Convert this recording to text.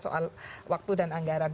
soal waktu dan anggaran